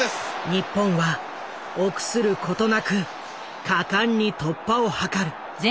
日本は臆することなく果敢に突破を図る。